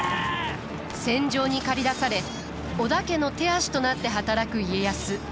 戦場に駆り出され織田家の手足となって働く家康。